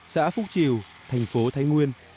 xã phúc triều thành phố thái nguyên